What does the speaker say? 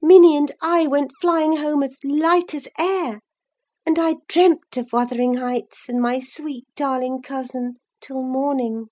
Minny and I went flying home as light as air; and I dreamt of Wuthering Heights and my sweet, darling cousin, till morning.